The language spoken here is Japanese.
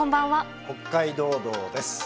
「北海道道」です。